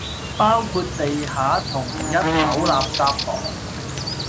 包括地下同一樓垃圾房